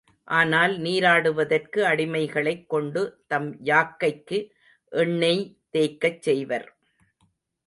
ஆனால், நீராடுவதற்கு அடிமைகளைக் கொண்டு தம் யாக்கைக்கு எண்ணெய் தேய்க்கச் செய்வர்.